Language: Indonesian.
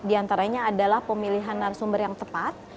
diantaranya adalah pemilihan narasumber yang tepat